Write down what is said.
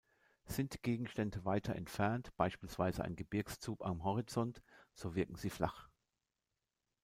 Sind Gegenstände weiter entfernt, beispielsweise ein Gebirgszug am Horizont, so wirken sie flach.